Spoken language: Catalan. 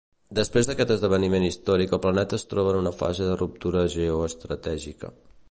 Després d'aquest esdeveniment històric el planeta es troba en una fase de ruptura geoestratègica.